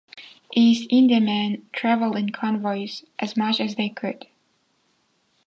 East Indiamen traveled in convoys as much as they could.